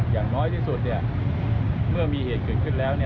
อย่างน้อยที่สุดเมื่อมีเหตุเกิดขึ้นแล้ว